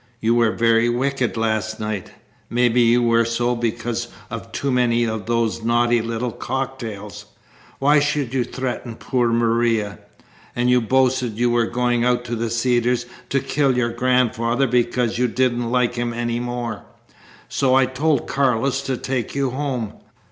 You were very wicked last night. Maybe you were so because of too many of those naughty little cocktails. Why should you threaten poor Maria? And you boasted you were going out to the Cedars to kill your grandfather because you didn't like him any more. So I told Carlos to take you home.